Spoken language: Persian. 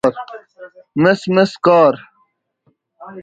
مس مس کار